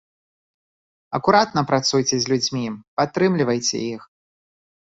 Акуратна працуйце з людзьмі, падтрымлівайце іх.